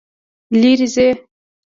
لیرې ځئ